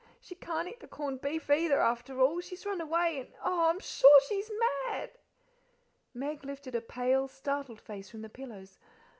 She can't eat the corned beef, either, after all. She's run away and oh, I'm sure she's mad!" Meg lifted a pale, startled face from the pillows.